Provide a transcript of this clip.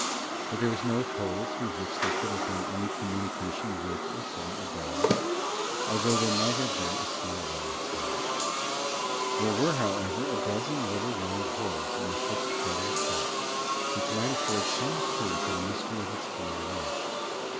But there was no hole through which there could have been any communication with or from a bellows, although there might have been a small one inside. There were, however, a dozen little round holes in the fixed part of the top, which might afford some clue to the mystery of its former life.